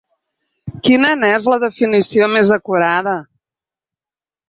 Quina n’és la definició més acurada?